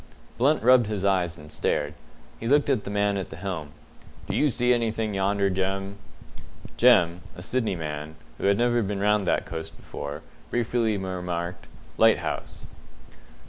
Blunt rubbed his eyes and stared. He looked at the man at the helm. "Do you see anything yonder, Jem?" Jem a Sydney man, who had never been round that coast before briefly remarked, "Lighthouse."